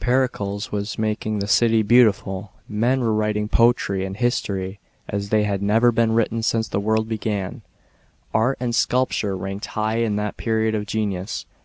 Pericles was making the city beautiful ; men were writing poetry and history, as they had never been written since the world began ; art and sculpture ranked high in that period of genius.